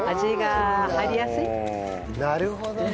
なるほどね。